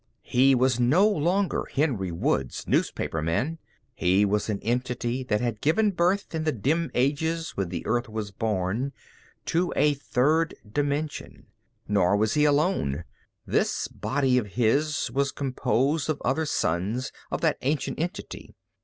He was no longer Henry Woods, newspaperman; he was an entity that had given birth, in the dim ages when the Earth was born, to a third dimension. Nor was he alone. This body of his was composed of other sons of that ancient entity.